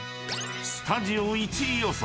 ［スタジオ１位予想］